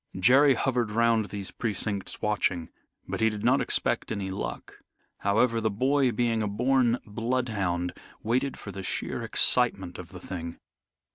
Jerry hovered round these precincts watching, but he did not expect any luck. However, the boy, being a born bloodhound, waited for the sheer excitement of the thing.